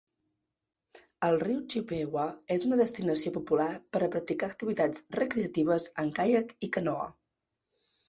El riu Chippewa és una destinació popular per a practicar activitats recreatives en caiac i canoa.